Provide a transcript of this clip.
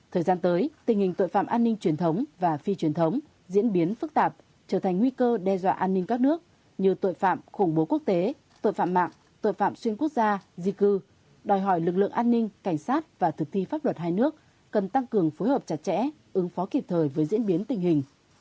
thời gian tới tình hình tội phạm an ninh truyền thống và phi truyền thống diễn biến phức tạp trở thành nguy cơ đe dọa an ninh các nước như tội phạm khủng bố quốc tế tội phạm mạng tội phạm xuyên quốc gia di cư đòi hỏi lực lượng an ninh cảnh sát và thực thi pháp luật hai nước cần tăng cường phối hợp chặt chẽ ứng phó kịp thời với diễn biến tình hình